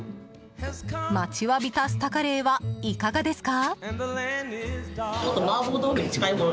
待ちわびたスタカレーはいかがですか？